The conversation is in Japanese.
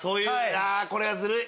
これはずるい！